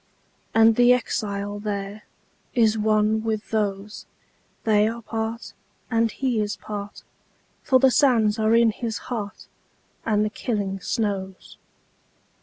And the exile thereIs one with those; They are part, and he is part, For the sands are in his heart, And the killing snows.